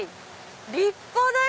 立派だよ！